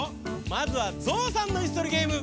まずはゾウさんのいすとりゲーム。